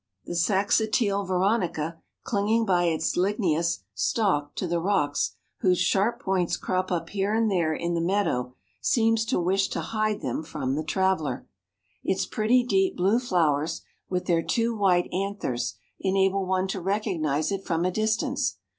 The saxa tile veronica, clinging by its ligneous stalk to the rocks, whose sharp points crop up here and there in the meadow, seems to wish to hide them from the traveller. Its pretty deep blue flowers, with their two white anthers, enable one to recognise it from a distance.